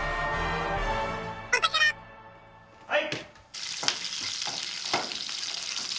はい。